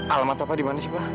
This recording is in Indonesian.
alamat papa dimana sih pa